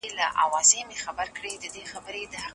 پوهان د هېواد د ابادۍ لپاره فکر کوي.